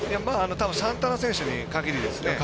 サンタナ選手に限りですね。